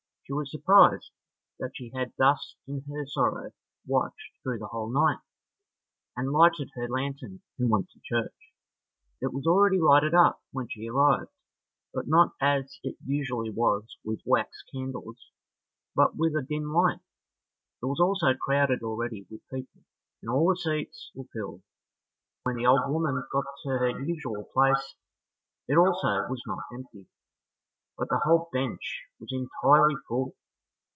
She was surprised that she had thus in her sorrow watched through the whole night, and lighted her lantern and went to church. It was already lighted up when she arrived, but not as it usually was with wax candles, but with a dim light. It was also crowded already with people, and all the seats were filled; and when the old woman got to her usual place it also was not empty, but the whole bench was entirely full.